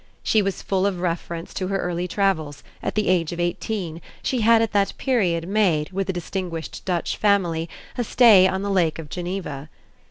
She was full of reference to her early travels at the age of eighteen: she had at that period made, with a distinguished Dutch family, a stay on the Lake of Geneva.